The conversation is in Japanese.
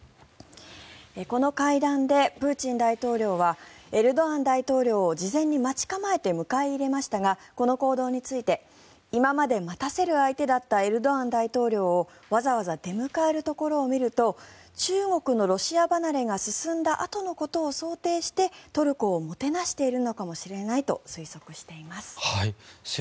この会談でプーチン大統領はエルドアン大統領を事前に待ち構えて迎え入れましたがこの行動について今まで待たせる相手だったエルドアン大統領をわざわざ出迎えるところを見ると中国のロシア離れが進んだあとのことを想定してトルコをもてなしているのかもしれないと推測しています。